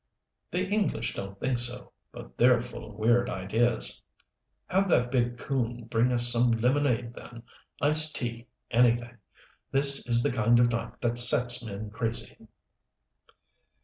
"The English don't think so but they're full of weird ideas. Have that big coon bring us some lemonade then iced tea anything. This is the kind of night that sets men crazy."